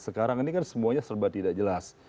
sekarang ini kan semuanya serba tidak jelas